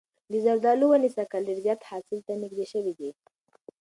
د زردالو ونې سږ کال ډېر زیات حاصل ته نږدې شوي دي.